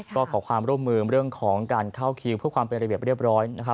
ก็ขอความร่วมมือเรื่องของการเข้าคิวเพื่อความเป็นระเบียบเรียบร้อยนะครับ